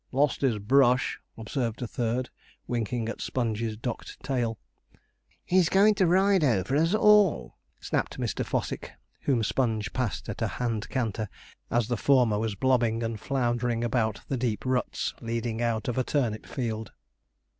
'Lost his brush,' observed a third, winking at Sponge's docked tail. 'He's going to ride over us all,' snapped Mr. Fossick, whom Sponge passed at a hand canter, as the former was blobbing and floundering about the deep ruts leading out of a turnip field.